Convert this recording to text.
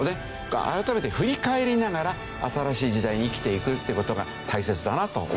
改めて振り返りながら新しい時代に生きていくって事が大切だなと思いますね。